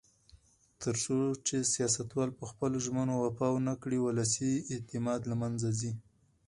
تر څو چې سیاستوال په خپلو ژمنو وفا ونکړي، ولسي اعتماد له منځه ځي.